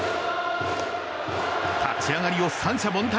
立ち上がりを三者凡退。